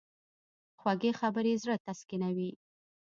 خوږې خبرې زړه تسکینوي.